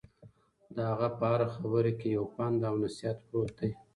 د هغه په هره خبره کې یو پند او نصیحت پروت دی.